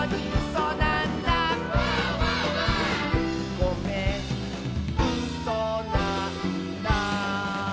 「ごめんうそなんだ」